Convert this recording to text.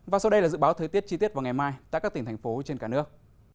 và sau đây là dự báo thời tiết chi tiết vào ngày mai tại các tỉnh thành phố trên cả nước